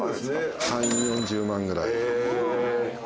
３０４０万ぐらい。